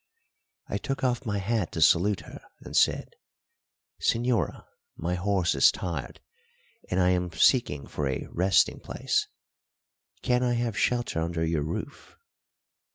I took off my hat to salute her, and said: "Señora, my horse is tired, and I am seeking for a resting place; can I have shelter under your roof?"